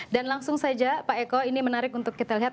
dan langsung saja pak eko ini menarik untuk kita lihat